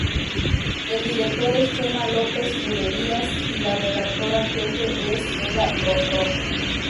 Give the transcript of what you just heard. El director es Chema López Juderías y la redactora jefe es Eva Ron Ron.